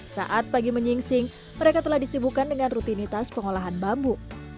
saat pagi menying sing mereka telah disibukkan dengan rutinitas pengolahan bambu